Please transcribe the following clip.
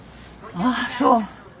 ああそう。